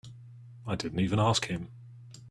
I didn't even ask him.